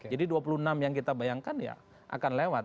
jadi dua puluh enam yang kita bayangkan akan lewat